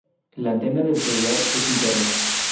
La antena del celular es interna.